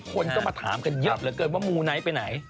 คนก็มาถามกันเยอะเหลือเกินว่ามูไนท์ไปไหน